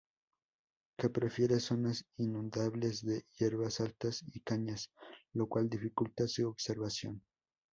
Que prefiere zonas inundables de hierbas altas y cañas. Lo cual dificulta su observación.